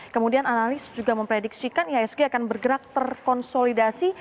kemudian analis juga memprediksikan ihsg akan bergerak terkonsolidasi